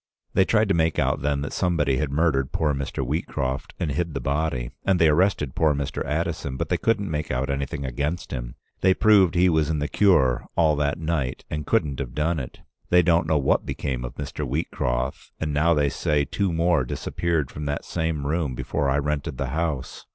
They tried to make out then that somebody had murdered poor Mr. Wheatcroft and hid the body, and they arrested poor Mr. Addison, but they couldn't make out anything against him. They proved he was in the Cure all that night and couldn't have done it. They don't know what became of Mr. Wheatcroft, and now they say two more disappeared from that same room before I rented the house.